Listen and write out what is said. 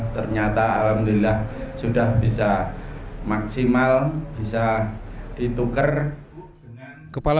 ternyata alhamdulillah sudah bisa maksimal bisa ditukar